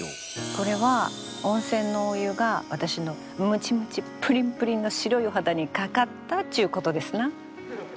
これは温泉のお湯が私のムチムチプリンプリンの白いお肌にかかったっちゅうことですな。